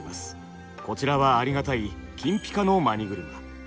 こちらはありがたい金ピカのマニ車。